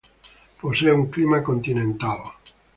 Posee un clima continental.